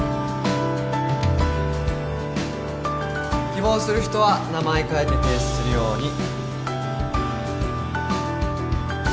希望する人は名前書いて提出するように。